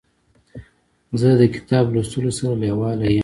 زه د کتاب لوستلو سره لیواله یم.